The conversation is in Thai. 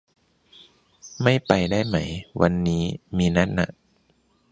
ไม่ไปได้ไหม วันนี้ มีนัดน่ะ